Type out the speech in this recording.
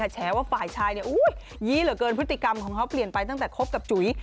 แฉว่าฝ่ายชายยี้เหลือเกินพฤติกรรมของเขาเปลี่ยนไปตั้งแต่คบกับจุ๋ย